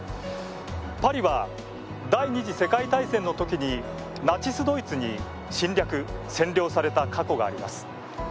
パリは、第２次世界大戦のときにナチスドイツに侵略・占領された過去があります。